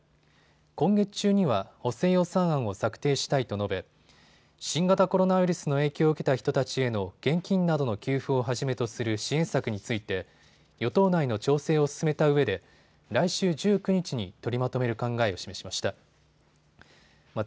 今月中には補正予算案を策定したいと述べ新型コロナウイルスの影響を受けた人たちへの現金などの給付をはじめとする支援策について与党内の調整を進めたうえで来週１９日に取りまとめる考えを示しました。